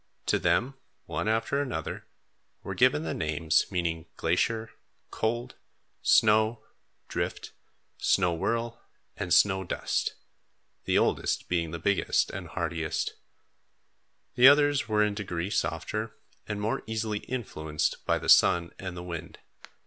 To them one after another were given the names meaning Glacier, Cold, Snow, Drift, Snow Whirl, and Snow Dust, the oldest being the biggest and hardiest. The others were in degree softer and more easily influenced by the sun and the wind.